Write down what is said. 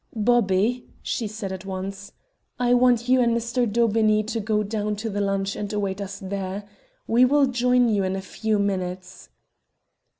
"Bobby," she said at once, "I want you and Mr. Daubeney to go down to the launch and await us there. We will join you in a few minutes."